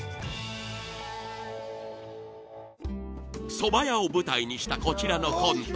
［そば屋を舞台にしたこちらのコント］